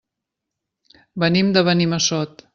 Venim de Benimassot.